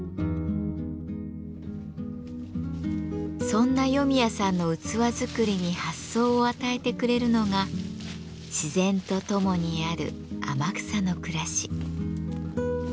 そんな余宮さんの器作りに発想を与えてくれるのが自然と共にある天草の暮らし。